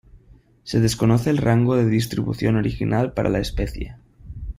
Se desconoce el rango de distribución original para la especie.